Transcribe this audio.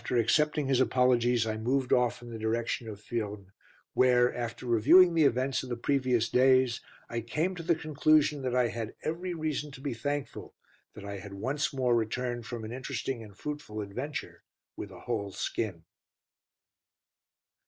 Accepting his apologies, I moved off in the direction of Furnes, where, after reviewing the events of the previous days, I came to the conclusion that I had every reason to be thankful that I had once more returned from an interesting and fruitful adventure with a whole skin.